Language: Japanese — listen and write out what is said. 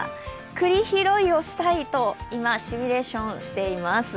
くり拾いをしたいと、今、シミュレーションしています。